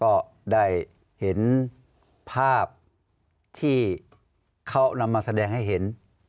ก็ได้เห็นภาพที่เขานำมาแสดงให้เห็น